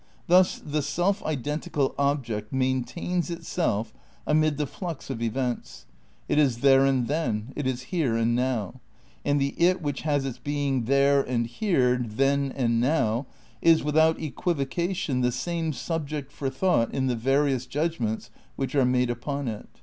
Thus the self identical object maintains itself amid the flux of events: it is there and then, it is here and now, and the 'it' which has its being there and here, then and now, is without equivoca tion the same subject for thought in the various judgments which are made upon it."